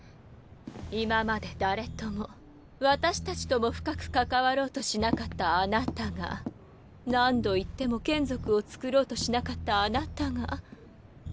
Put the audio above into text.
今まで誰とも私たちとも深く関わろうとしなかったあなたが何度言っても眷属をつくろうとしなかったあなたが。